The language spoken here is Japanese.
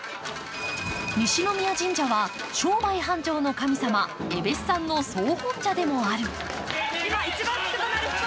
西宮神社は商売繁盛の神様、えべっさんの総本社でもある。